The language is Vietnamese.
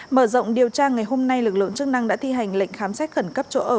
mở rộng điều tra ngày hôm nay lực lượng chức năng đã thi hành lệnh khám xét khẩn cấp chỗ ở